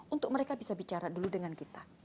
untuk mereka bisa bicara dulu dengan kita